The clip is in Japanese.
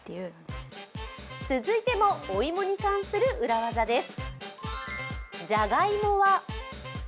続いても、お芋に関する裏技です。